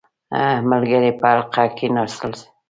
• ملګري په حلقه کښېناستل.